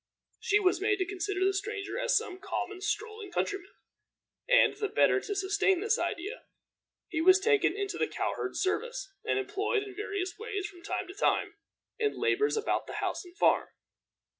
She was made to consider the stranger as some common strolling countryman, and the better to sustain this idea, he was taken into the cow herd's service, and employed in various ways, from time to time, in labors about the house and farm.